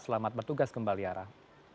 selamat bertugas kembali arah